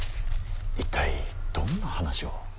一体どんな話を？